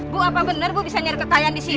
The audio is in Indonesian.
bu apa bener bu bisa nyari kekayaan disini bu